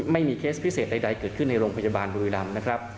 เคสพิเศษใดเกิดขึ้นในโรงพยาบาลบุรีรำนะครับ